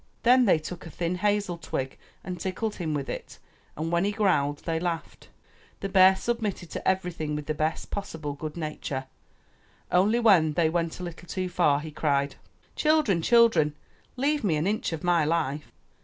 Then they took a thin hazel twig and tickled him with it, and when he growled they laughed. The bear submitted to everything with the best possible good nature, only when they went a little too far, he cried, "Children, children, leave me an inch of my life